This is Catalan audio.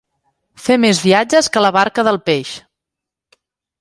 Fer més viatges que la barca del peix.